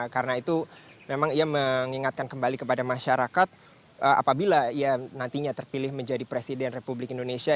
karena itu memang ia mengingatkan kembali kepada masyarakat apabila ia nantinya terpilih menjadi presiden republik indonesia